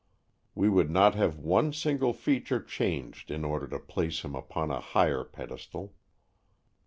We would not have one single feature changed in order to place him upon a higher pedestal.